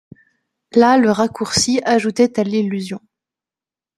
Là le raccourci ajoutait à l'illusion.